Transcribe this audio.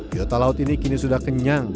biota laut ini kini sudah kenyang